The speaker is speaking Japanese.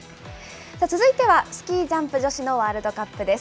続いてはスキージャンプ女子のワールドカップです。